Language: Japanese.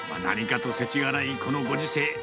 何かとせちがらいこのご時世。